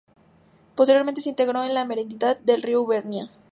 Posteriormente se integró en la Merindad de Río Ubierna.